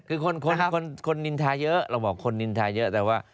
คือคนคนนินทาเยอะเราบอกคนนินทาเยอะแต่ว่า